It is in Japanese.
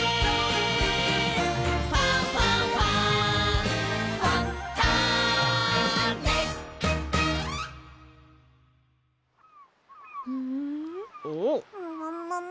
「ファンファンファン」もももも。